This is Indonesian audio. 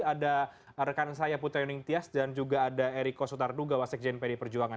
ada rekan saya putri yoningtias dan juga ada eriko sutardu gawasek jnp di perjuangan